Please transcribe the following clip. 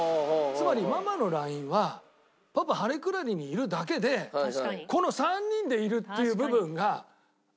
つまりママのＬＩＮＥは「パパハレクラニにいる？」だけでこの「３人でいる」っていう部分がもう。